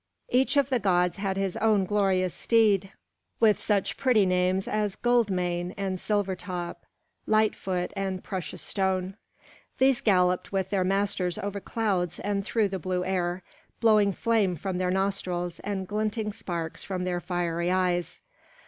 Each of the gods had his own glorious steed, with such pretty names as Gold mane and Silver top, Light foot and Precious stone; these galloped with their masters over clouds and through the blue air, blowing flame from their nostrils and glinting sparks from their fiery eyes.